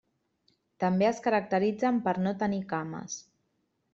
També es caracteritzen per no tenir cames.